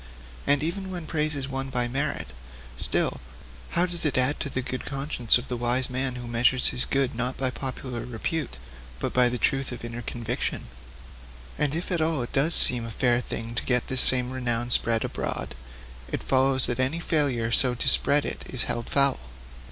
And even when praise is won by merit, still, how does it add to the good conscience of the wise man who measures his good not by popular repute, but by the truth of inner conviction? And if at all it does seem a fair thing to get this same renown spread abroad, it follows that any failure so to spread it is held foul.